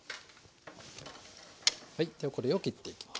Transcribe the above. はいではこれを切っていきますね。